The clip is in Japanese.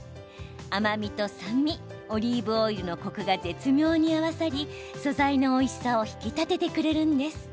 甘味と酸味、オリーブオイルのコクが絶妙に合わさり素材のおいしさを引き立ててくれるんです。